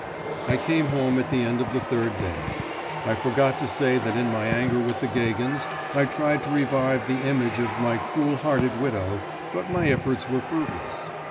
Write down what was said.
I came home at the end of the third day: I forgot to say that in my anger with the Gagins I tried to revive the image of my cruel hearted widow, but my efforts were fruitless.